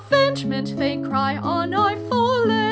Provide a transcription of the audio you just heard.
Avengement" they cry, "on our Foelet